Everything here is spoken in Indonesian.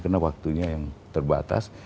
karena waktunya yang terbatas